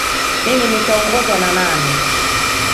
Mimi nitaongozwa na nani